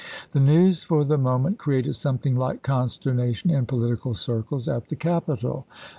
The news for the moment created something like consternation in political circles at the capital.